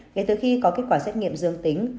ngay từ khi có kết quả xét nghiệm dương tính